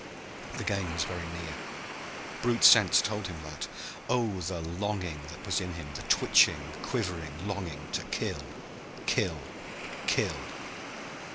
The game was very near. Brute sense told him that. Oh, the longing that was in him, the twitching, quivering longing to kill kill kill!